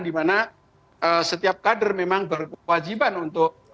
dimana setiap kader memang berkewajiban untuk